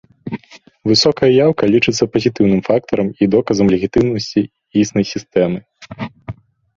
Высокая яўка лічыцца пазітыўным фактарам і доказам легітымнасці існай сістэмы.